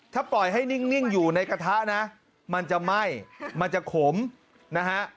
ถ้าปล่อยให้นิ่งอยู่ในกระทะนะมันจะไหม้มันจะขมนะฮะ